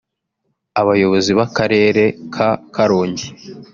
Abayobozi b’akarere ka Karongi